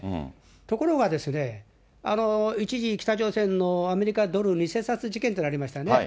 ところがですね、一時、北朝鮮のアメリカドル偽札事件ってありましたよね。